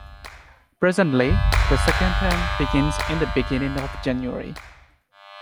Presently, the second term begins in the beginning of January.